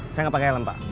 saya enggak pakai helm pak